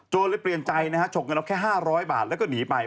เลยเปลี่ยนใจนะฮะฉกเงินเอาแค่๕๐๐บาทแล้วก็หนีไป